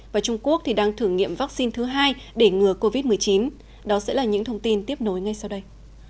và trung quốc đang thử nghiệm vaccine thứ hai để ngừa covid một mươi chín đó sẽ là những thông tin tiếp nối ngay sau đây